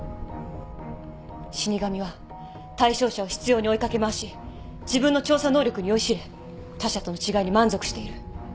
死神は対象者を執拗に追い掛け回し自分の調査能力に酔いしれ他者との違いに満足している。